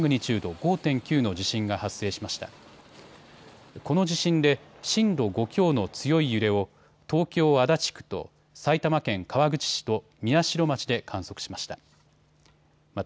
この地震で震度５強の強い揺れを東京足立区と埼玉県川口市と宮代町で観測しました。